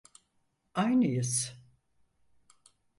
Aynıyız.